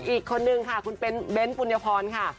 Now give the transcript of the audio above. อีกคนนึงค่ะคุณเบ้นปุญพรค่ะ